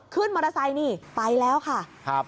ขึ้นมอเตอร์ไซค์นี่ไปแล้วค่ะครับ